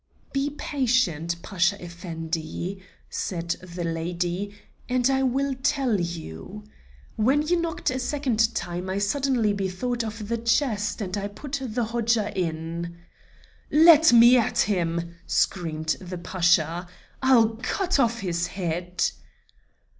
"Be patient, Pasha Effendi," said the lady, "and I will tell you. When you knocked a second time, I suddenly thought of the chest, and I put the Hodja in." "Let me at him!" screamed the Pasha. "I'll cut off his head!"